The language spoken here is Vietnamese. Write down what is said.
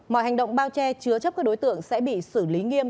mọi hành động bao che chứa chấp các đối tượng sẽ bị xử lý nghiêm